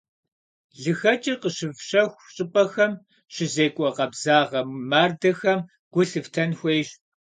ЛыхэкӀыр къыщыфщэху щӀыпӀэхэм щызекӀуэ къабзагъэ мардэхэм гу лъыфтэн хуейщ.